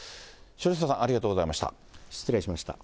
城下さん、ありがとうございました。